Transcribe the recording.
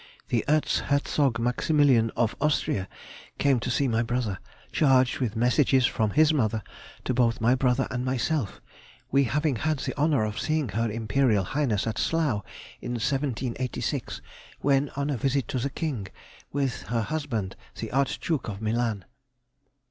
_—The Ertz Herzog Maximilian of Austria came to see my brother, charged with messages from his mother to both my brother and myself, we having had the honour of seeing her Imperial Highness at Slough, in 1786, when on a visit to the King, with her husband the Archduke of Milan.